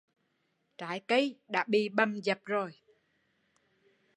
Trái cây đã bị bầm giập